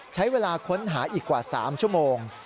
ใช้เวลาค้นหาอีกกว่า๓ชั่วโมง